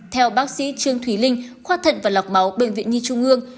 theo bác sĩ trương thùy linh khoa thận và lọc máu bệnh viện nhi trung ương